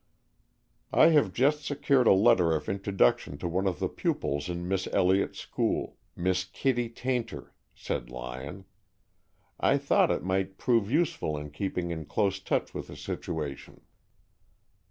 "I have just secured a letter of introduction to one of the pupils in Miss Elliott's School, Miss Kittie Tayntor," said Lyon. "I thought that it might prove useful in keeping in close touch with the situation."